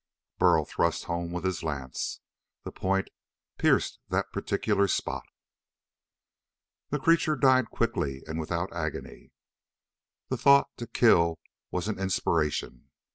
Burl thrust home with his lance. The point pierced that particular spot. The creature died quickly and without agony. The thought to kill was an inspiration.